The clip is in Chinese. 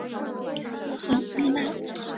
罗索利纳。